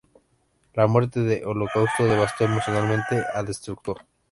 La muerte de Holocaust devastó emocionalmente a Destructor.